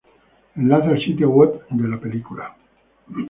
Enlace al sitio web de la película